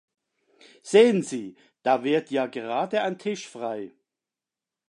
Sehen Sie! Da wird ja gerade ein Tisch frei.